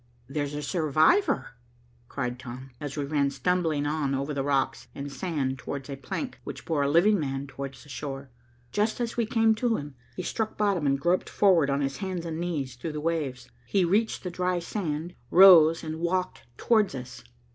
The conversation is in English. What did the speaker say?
"There's a survivor," cried Tom, as we ran stumbling on over the rocks and sand towards a plank which bore a living man towards shore. Just as we came to him, he struck bottom and groped forward on his hands and knees through the waves. He reached the dry sand, rose and walked towards us.